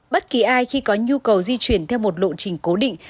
bất kỳ ai khi có nhu cầu di chuyển theo một lộ trình cố định